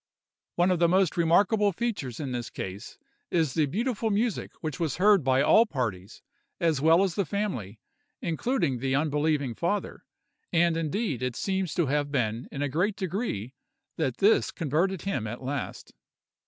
One of the most remarkable features in this case is the beautiful music which was heard by all parties, as well as the family, including the unbelieving father; and indeed it seems to have been, in a great degree, this that converted him at last.